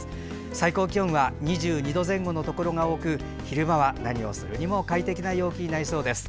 最高気温は２２度前後のところが多く昼間は何をするにも快適な陽気になりそうです。